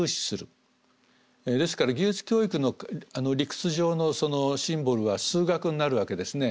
ですから技術教育の理屈上のシンボルは数学になるわけですね。